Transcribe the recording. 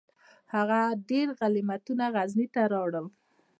هغه ډیر غنیمتونه غزني ته راوړل.